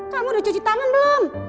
kamu udah cuci tangan belum